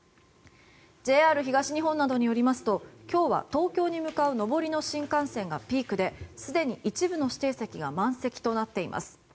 ＪＲ東日本などによりますと今日は東京に向かう上りの新幹線がピークで、すでに一部の指定席が満席となっています。